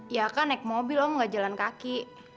ya kan naik mobil om nggak jalan kaki